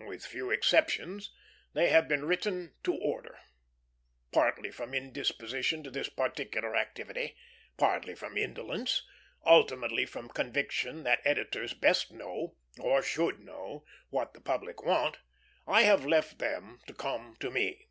With few exceptions, they have been written to order. Partly from indisposition to this particular activity, partly from indolence, ultimately from conviction that editors best know or should know what the public want, I have left them to come to me.